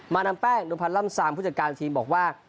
นามแป้งนุพันธ์ล่ำซามผู้จัดการทีมบอกว่า